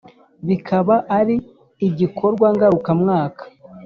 bikaba ari igikorwa ngarukamwaka.